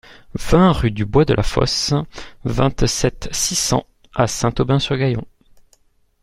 vingt rue du Bois de la Fosse, vingt-sept, six cents à Saint-Aubin-sur-Gaillon